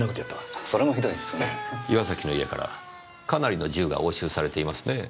岩崎の家からかなりの銃が押収されていますねぇ。